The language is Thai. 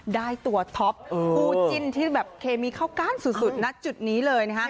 ได้ตัวท็อปคู่จิ้นที่แบบเคมีเข้าก้านสุดณจุดนี้เลยนะฮะ